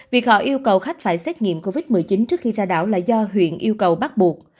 việc họ yêu cầu khách phải xét nghiệm covid một mươi chín trước khi ra đảo là do huyện yêu cầu bắt buộc